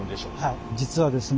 実はですね。